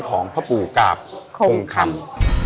ของพ่อปู่กาบคงคำ